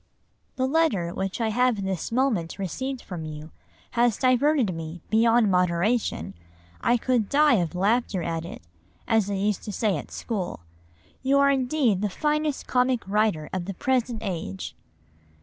"The letter which I have this moment received from you has diverted me beyond moderation. I could die of laughter at it, as they used to say at school. You are indeed the finest comic writer of the present age."